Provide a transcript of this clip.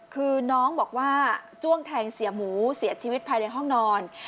คือน้องบอกว่าจ้วงแทงเสียหมูเสียชีวิตภายในห้องนอน